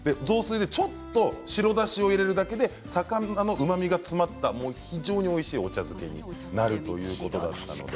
ちょっと白だしを入れるだけで魚のうまみが詰まった非常においしいお茶漬けになるということなんです。